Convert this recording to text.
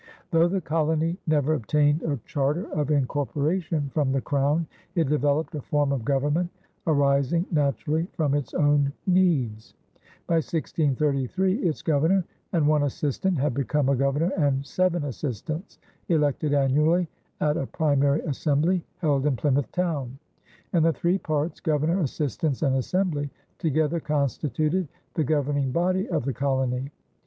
Though the colony never obtained a charter of incorporation from the Crown, it developed a form of government arising naturally from its own needs. By 1633 its governor and one assistant had become a governor and seven assistants, elected annually at a primary assembly held in Plymouth town; and the three parts, governor, assistants, and assembly, together constituted the governing body of the colony.